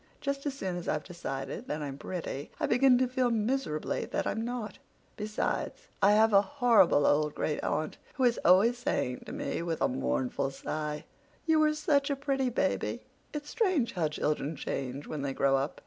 Just as soon as I've decided that I'm pretty I begin to feel miserably that I'm not. Besides, have a horrible old great aunt who is always saying to me, with a mournful sigh, 'You were such a pretty baby. It's strange how children change when they grow up.